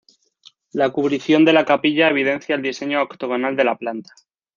La cubrición de la capilla evidencia el diseño octogonal de la planta.